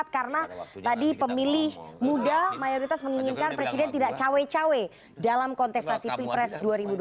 karena tadi pemilih muda mayoritas menginginkan presiden tidak cawe cawe dalam kontestasi pilpres dua ribu dua puluh empat